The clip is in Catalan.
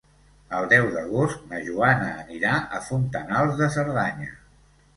El deu d'agost na Joana anirà a Fontanals de Cerdanya.